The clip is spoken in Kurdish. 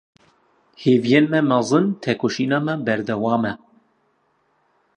Hêviyên me mezin, têkoşîna me berdewam e!